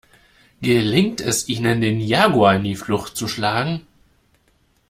Gelingt es ihnen, den Jaguar in die Flucht zu schlagen?